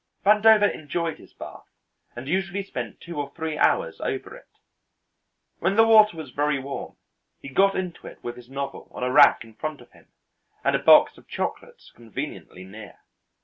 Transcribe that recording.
Vandover enjoyed his bath and usually spent two or three hours over it. When the water was very warm he got into it with his novel on a rack in front of him and a box of chocolates conveniently near.